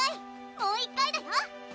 もう一回だよ！